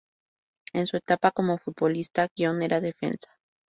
En su etapa como futbolista, Guion era defensa.